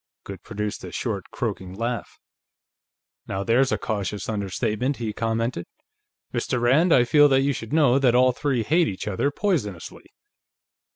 Goode produced a short, croaking laugh. "Now there's a cautious understatement," he commented. "Mr. Rand, I feel that you should know that all three hate each other poisonously."